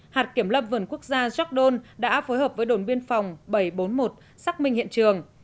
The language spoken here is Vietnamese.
hạt kiểm lâm vườn quốc gia gióc đôn đã phối hợp với đồn biên phòng bảy trăm bốn mươi một xác minh hiện trường